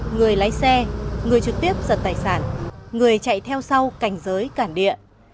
người lái xe người trực tiếp giật tài sản người chạy theo sau cảnh giới cản địa